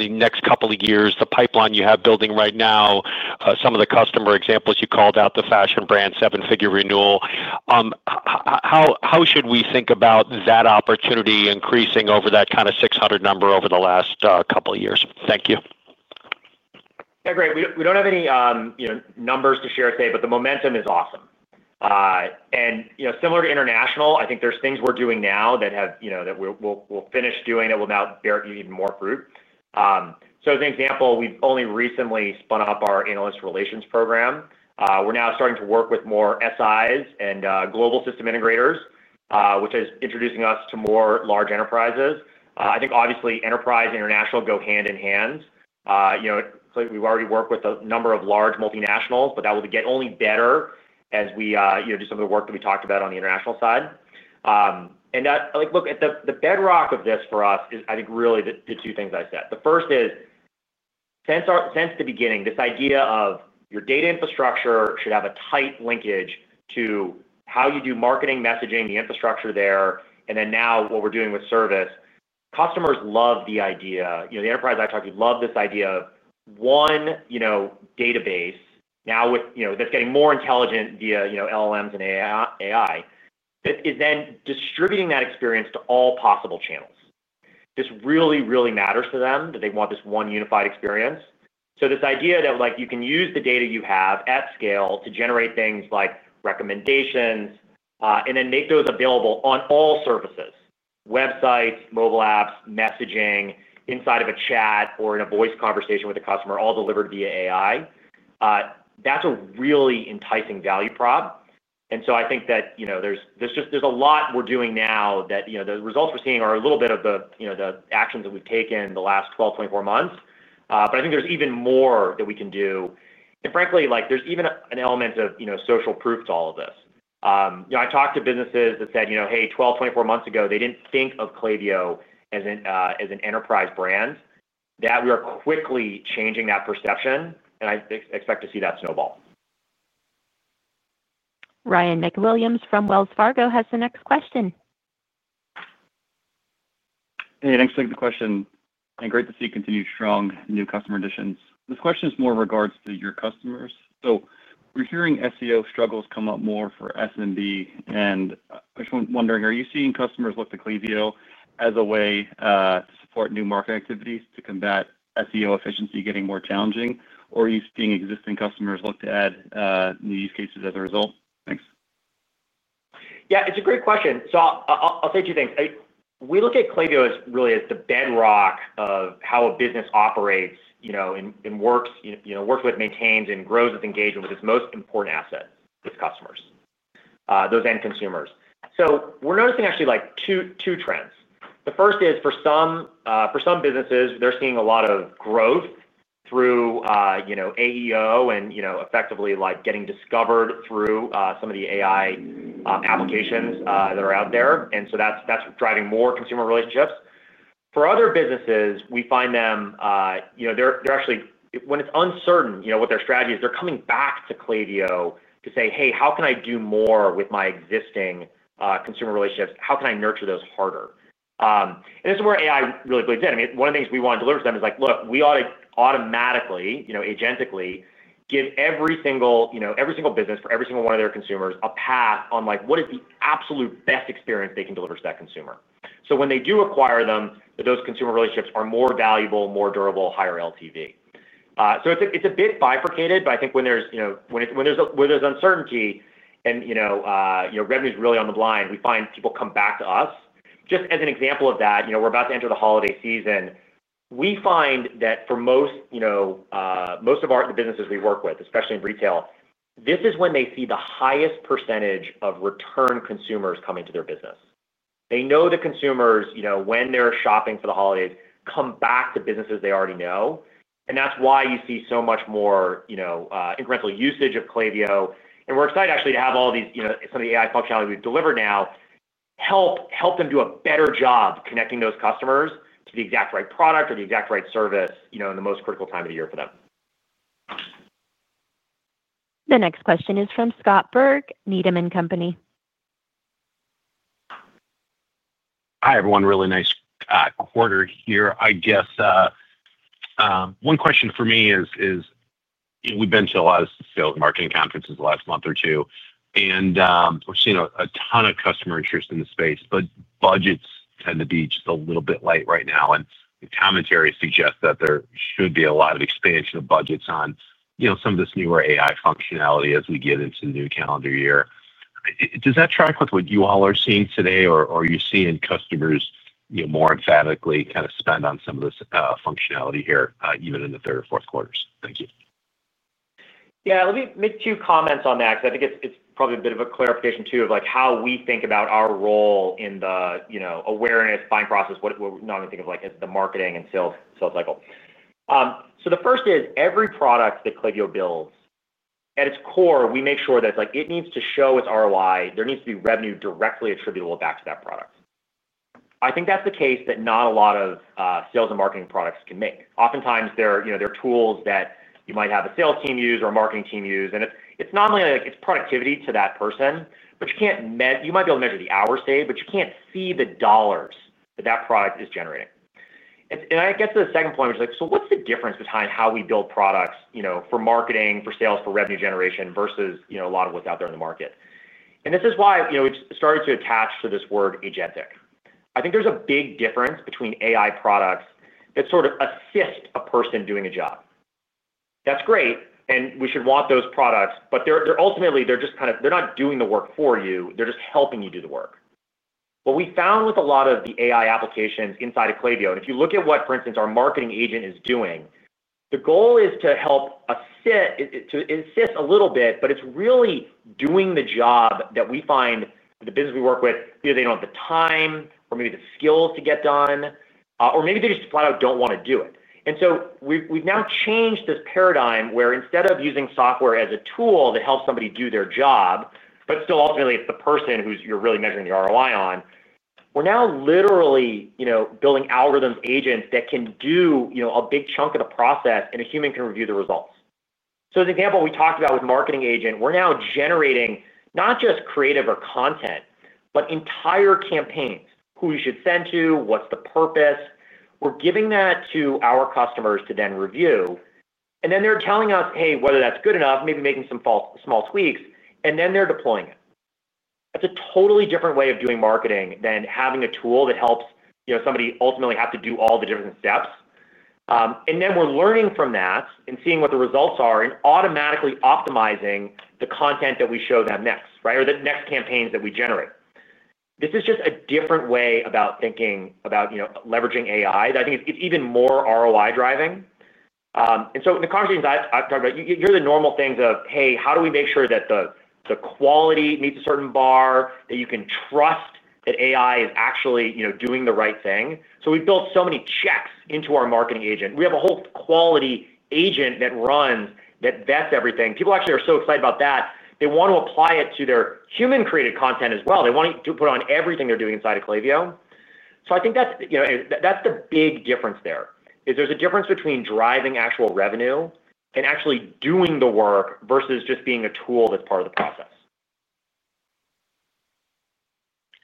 the next couple of years, the pipeline you have building right now, some of the customer examples you called out, the fashion brand, seven-figure renewal. How should we think about that opportunity increasing over that kind of 600 number over the last couple of years? Thank you. Yeah. Great. We do not have any numbers to share today, but the momentum is awesome. Similar to international, I think there are things we are doing now that we will finish doing that will now bear even more fruit. As an example, we've only recently spun up our analyst relations program. We're now starting to work with more SIs and global system integrators, which is introducing us to more large enterprises. I think, obviously, enterprise and international go hand in hand. We've already worked with a number of large multinationals, but that will get only better as we do some of the work that we talked about on the international side. Look, the bedrock of this for us is, I think, really the two things I said. The first is, since the beginning, this idea of your data infrastructure should have a tight linkage to how you do marketing, messaging, the infrastructure there, and then now what we're doing with service. Customers love the idea. The enterprise I talked to loved this idea of one database now that's getting more intelligent via LLMs and AI. Is then distributing that experience to all possible channels. This really, really matters to them that they want this one unified experience. This idea that you can use the data you have at scale to generate things like recommendations and then make those available on all surfaces: websites, mobile apps, messaging, inside of a chat, or in a voice conversation with a customer, all delivered via AI. That is a really enticing value prop. I think that there is a lot we are doing now that the results we are seeing are a little bit of the actions that we have taken the last 12, 24 months. I think there is even more that we can do. Frankly, there is even an element of social proof to all of this. I talked to businesses that said, "Hey, 12, 24 months ago, they did not think of Klaviyo as an enterprise brand." That we are quickly changing that perception, and I expect to see that snowball. Ryan MacWilliams from Wells Fargo has the next question. Hey, thanks for the question. Great to see you continue strong new customer additions. This question is more in regards to your customers. We are hearing SEO struggles come up more for SMB, and I am just wondering, are you seeing customers look to Klaviyo as a way to support new market activities to combat SEO efficiency getting more challenging, or are you seeing existing customers look to add new use cases as a result? Thanks. Yeah. It is a great question. I will say two things. We look at Klaviyo really as the bedrock of how a business operates and works, works with, maintains, and grows its engagement with its most important assets, its customers, those end consumers. We are noticing actually two trends. The first is, for some businesses, they're seeing a lot of growth through AEO and effectively getting discovered through some of the AI applications that are out there. That is driving more consumer relationships. For other businesses, we find them, they're actually, when it's uncertain what their strategy is, they're coming back to Klaviyo to say, "Hey, how can I do more with my existing consumer relationships? How can I nurture those harder?" This is where AI really plays in. I mean, one of the things we want to deliver to them is like, "Look, we ought to automatically, agentically, give every single. Business for every single one of their consumers a path on what is the absolute best experience they can deliver to that consumer. When they do acquire them, those consumer relationships are more valuable, more durable, higher LTV. It is a bit bifurcated, but I think when there is uncertainty and revenue is really on the blind, we find people come back to us. Just as an example of that, we are about to enter the holiday season. We find that for most of the businesses we work with, especially in retail, this is when they see the highest % of return consumers coming to their business. They know the consumers, when they are shopping for the holidays, come back to businesses they already know. That is why you see so much more incremental usage of Klaviyo. We're excited, actually, to have all these, some of the AI functionality we've delivered now. Help them do a better job connecting those customers to the exact right product or the exact right service in the most critical time of the year for them. The next question is from Scott Berg, Needham & Company. Hi, everyone. Really nice quarter here, I guess. One question for me is, we've been to a lot of sales and marketing conferences the last month or two, and we've seen a ton of customer interest in the space, but budgets tend to be just a little bit light right now. The commentary suggests that there should be a lot of expansion of budgets on some of this newer AI functionality as we get into the new calendar year. Does that track with what you all are seeing today, or are you seeing customers more emphatically kind of spend on some of this functionality here, even in the third or fourth quarters? Thank you. Yeah. Let me make two comments on that because I think it's probably a bit of a clarification too of how we think about our role in the awareness buying process, what we normally think of as the marketing and sales cycle. The first is, every product that Klaviyo builds, at its core, we make sure that it needs to show its ROI. There needs to be revenue directly attributable back to that product. I think that's the case that not a lot of sales and marketing products can make. Oftentimes, there are tools that you might have a sales team use or a marketing team use. It is not only like it is productivity to that person, but you might be able to measure the hour saved, but you cannot see the dollars that that product is generating. I get to the second point, which is like, "What is the difference between how we build products for marketing, for sales, for revenue generation versus a lot of what is out there in the market?" This is why it has started to attach to this word agentic. I think there is a big difference between AI products that sort of assist a person doing a job. That is great, and we should want those products, but ultimately, they are just kind of not doing the work for you. They are just helping you do the work. What we found with a lot of the AI applications inside of Klaviyo, and if you look at what, for instance, our marketing agent is doing, the goal is to help assist a little bit, but it's really doing the job that we find the business we work with, either they don't have the time or maybe the skills to get done, or maybe they just flat out don't want to do it. We've now changed this paradigm where instead of using software as a tool that helps somebody do their job, but still, ultimately, it's the person who you're really measuring the ROI on, we're now literally building algorithms, agents that can do a big chunk of the process, and a human can review the results. As an example, we talked about with marketing agent, we're now generating not just creative or content, but entire campaigns, who you should send to, what's the purpose. We're giving that to our customers to then review. And then they're telling us, "Hey, whether that's good enough, maybe making some small tweaks," and then they're deploying it. That's a totally different way of doing marketing than having a tool that helps somebody ultimately have to do all the different steps. Then we're learning from that and seeing what the results are and automatically optimizing the content that we show them next, right, or the next campaigns that we generate. This is just a different way about thinking about leveraging AI. I think it's even more ROI driving. In the conversations I have talked about, you hear the normal things of, "Hey, how do we make sure that the quality meets a certain bar, that you can trust that AI is actually doing the right thing?" We have built so many checks into our marketing agent. We have a whole quality agent that runs that vets everything. People actually are so excited about that. They want to apply it to their human-created content as well. They want to put it on everything they are doing inside of Klaviyo. I think that is the big difference there, is there is a difference between driving actual revenue and actually doing the work versus just being a tool that is part of the process.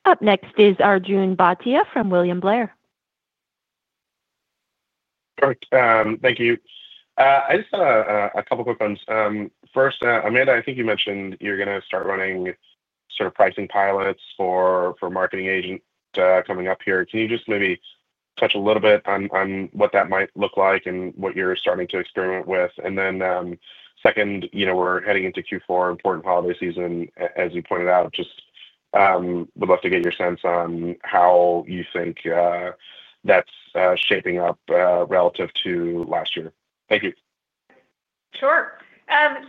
Up next is Arjun Bhatia from William Blair. Thank you. I just have a couple of quick ones. First, Amanda, I think you mentioned you're going to start running sort of pricing pilots for Marketing Agent coming up here. Can you just maybe touch a little bit on what that might look like and what you're starting to experiment with? And then second, we're heading into Q4, important holiday season, as you pointed out. Just. Would love to get your sense on how you think. That's shaping up relative to last year. Thank you. Sure.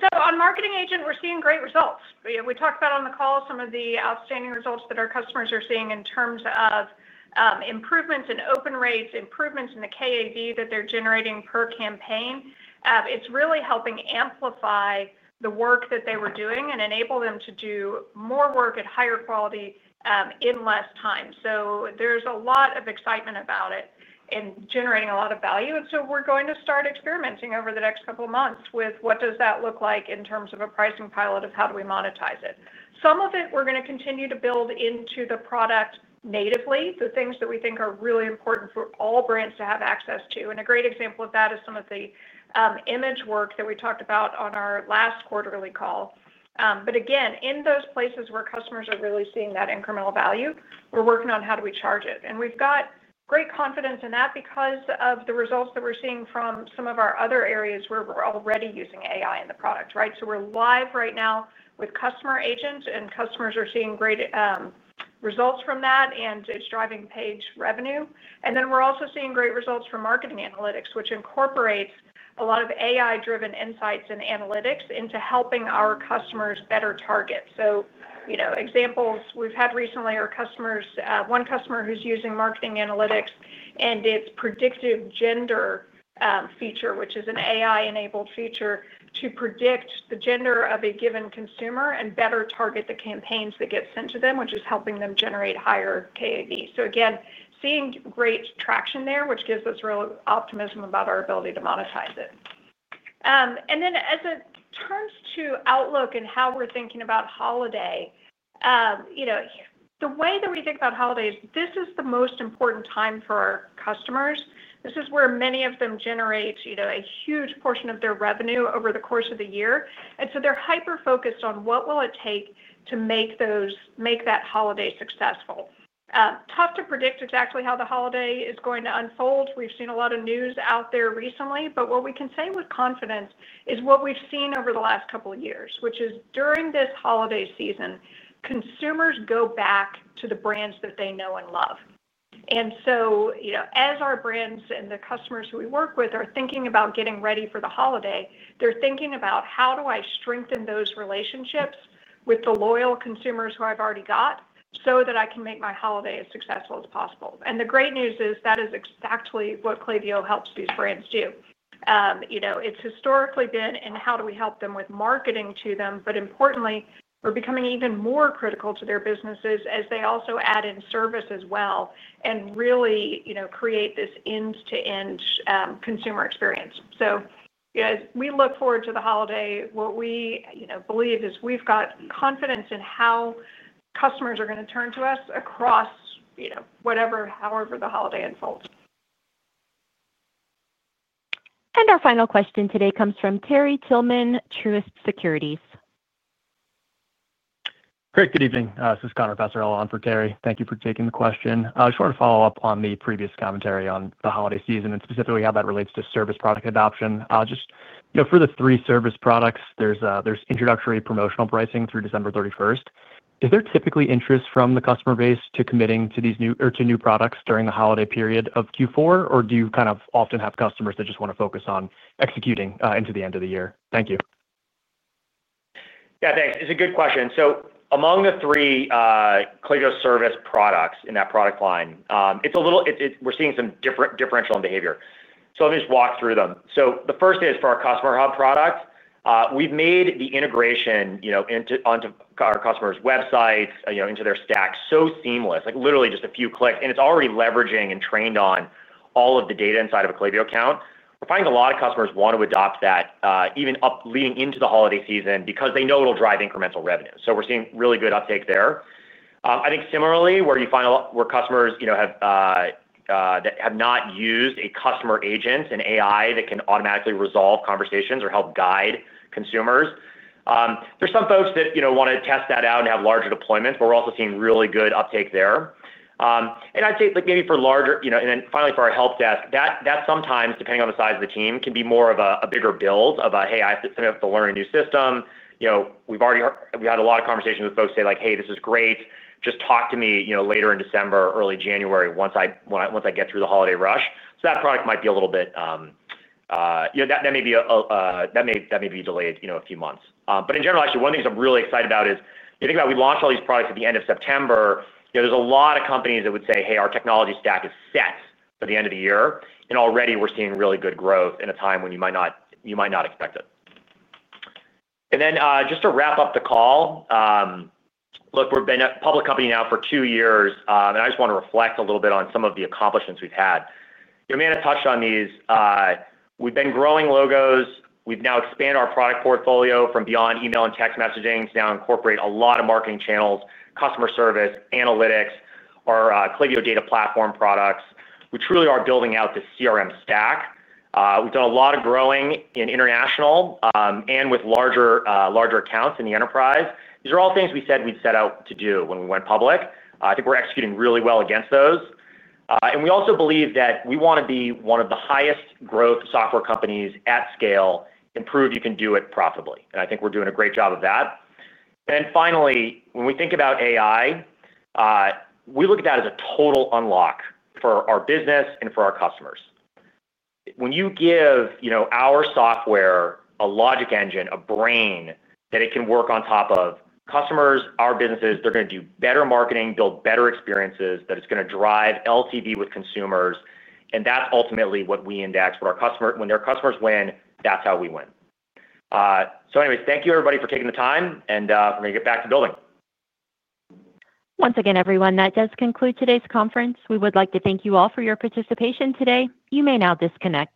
So on Marketing Agent, we're seeing great results. We talked about on the call some of the outstanding results that our customers are seeing in terms of. Improvements in open rates, improvements in the KAV that they're generating per campaign. It's really helping amplify the work that they were doing and enable them to do more work at higher quality in less time. So there's a lot of excitement about it. Generating a lot of value. We are going to start experimenting over the next couple of months with what that looks like in terms of a pricing pilot of how we monetize it. Some of it, we are going to continue to build into the product natively, the things that we think are really important for all brands to have access to. A great example of that is some of the image work that we talked about on our last quarterly call. Again, in those places where customers are really seeing that incremental value, we are working on how we charge it. We have great confidence in that because of the results that we are seeing from some of our other areas where we are already using AI in the product, right? We are live right now with customer agents, and customers are seeing great. Results from that, and it's driving page revenue. Then we're also seeing great results from marketing analytics, which incorporates a lot of AI-driven insights and analytics into helping our customers better target. Examples we've had recently are customers, one customer who's using marketing analytics and its predictive gender feature, which is an AI-enabled feature to predict the gender of a given consumer and better target the campaigns that get sent to them, which is helping them generate higher KAV. Again, seeing great traction there, which gives us real optimism about our ability to monetize it. As it turns to outlook and how we're thinking about holiday, the way that we think about holidays, this is the most important time for our customers. This is where many of them generate a huge portion of their revenue over the course of the year. They are hyper-focused on what will it take to make that holiday successful. Tough to predict exactly how the holiday is going to unfold. We have seen a lot of news out there recently, but what we can say with confidence is what we have seen over the last couple of years, which is during this holiday season, consumers go back to the brands that they know and love. As our brands and the customers who we work with are thinking about getting ready for the holiday, they are thinking about, "How do I strengthen those relationships with the loyal consumers who I have already got so that I can make my holiday as successful as possible?" The great news is that is exactly what Klaviyo helps these brands do. It's historically been in how do we help them with marketing to them, but importantly, we're becoming even more critical to their businesses as they also add in service as well and really create this end-to-end consumer experience. We look forward to the holiday. What we believe is we've got confidence in how customers are going to turn to us across whatever, however the holiday unfolds. Our final question today comes from Terry Tillman, Truist Securities. Great. Good evening. This is Connor Vassarella on for Terry. Thank you for taking the question. I just wanted to follow up on the previous commentary on the holiday season and specifically how that relates to service product adoption. Just for the three service products, there's introductory promotional pricing through December 31. Is there typically interest from the customer base to committing to these new or to new products during the holiday period of Q4, or do you kind of often have customers that just want to focus on executing into the end of the year? Thank you. Yeah, thanks. It's a good question. Among the three Klaviyo Service products in that product line, we're seeing some differential in behavior. Let me just walk through them. The first is for our Customer Hub product. We've made the integration into our customers' websites, into their stacks so seamless, literally just a few clicks, and it's already leveraging and trained on all of the data inside of a Klaviyo account. We're finding a lot of customers want to adopt that even leading into the holiday season because they know it'll drive incremental revenue. We're seeing really good uptake there. I think similarly, where you find where customers have not used a customer agent, an AI that can automatically resolve conversations or help guide consumers, there's some folks that want to test that out and have larger deployments, but we're also seeing really good uptake there. I'd say maybe for larger, and then finally for our help desk, that sometimes, depending on the size of the team, can be more of a bigger build of a, "Hey, I have to learn a new system." We've had a lot of conversations with folks saying, "Hey, this is great. Just talk to me later in December, early January, once I get through the holiday rush." That product might be a little bit delayed a few months. In general, actually, one thing I'm really excited about is if you think about we launched all these products at the end of September, there's a lot of companies that would say, "Hey, our technology stack is set for the end of the year," and already we're seeing really good growth in a time when you might not expect it. Just to wrap up the call. Look, we've been a public company now for two years, and I just want to reflect a little bit on some of the accomplishments we've had. Amanda touched on these. We've been growing logos. We've now expanded our product portfolio from beyond email and text messaging to now incorporate a lot of marketing channels, customer service, analytics, our Klaviyo Data Platform products. We truly are building out the CRM stack. We've done a lot of growing in international and with larger accounts in the enterprise. These are all things we said we'd set out to do when we went public. I think we're executing really well against those. We also believe that we want to be one of the highest growth software companies at scale, prove you can do it profitably. I think we're doing a great job of that. Finally, when we think about AI, we look at that as a total unlock for our business and for our customers. When you give our software a logic engine, a brain that it can work on top of customers, our businesses, they're going to do better marketing, build better experiences that it's going to drive LTV with consumers. That's ultimately what we index. When our customers win, that's how we win. Anyways, thank you, everybody, for taking the time, and we're going to get back to building. Once again, everyone, that does conclude today's conference. We would like to thank you all for your participation today. You may now disconnect.